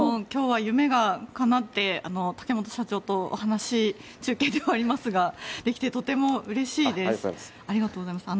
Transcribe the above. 今日は夢がかなって竹本社長とお話中継ではありますができてとてもうれしいです。